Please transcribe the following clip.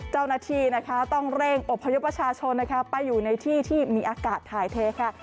เจ้าหน้าที่นะคะต้องเร่งอบพยพประชาชนนะคะไปอยู่ในที่ที่มีอากาศถ่ายเทค่ะ